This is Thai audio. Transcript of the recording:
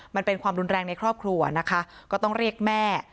มันเป็นความรุนแรงในครอบครัวนะคะก็ต้องเรียกแม่